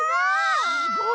すごい！